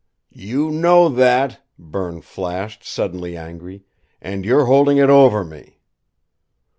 "You know that!" Berne flashed, suddenly angry. "And you're holding it over me!"